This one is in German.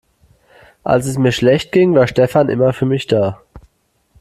Als es mir schlecht ging, war Stefan immer für mich da.